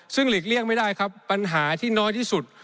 ซึ่งหลีกเลี่ยงไม่ได้ครับปัญหาที่น้อยที่สุด